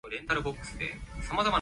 睇嚟聽日會落雨喎